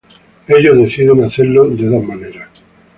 Ellos deciden hacerlo de dos maneras.